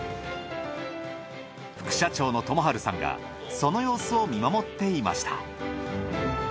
副社長の智晴さんがその様子を見守っていました。